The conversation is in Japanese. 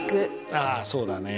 ああそうだね。